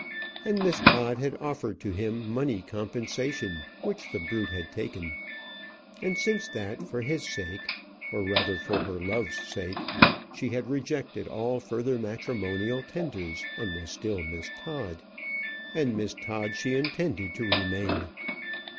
And Miss Todd had offered to him money compensation, which the brute had taken; and since that, for his sake, or rather for her love's sake, she had rejected all further matrimonial tenders, and was still Miss Todd: and Miss Todd she intended to remain.